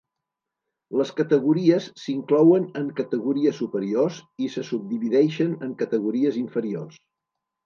Les categories s'inclouen en categories superiors i se subdivideixen en categories inferiors.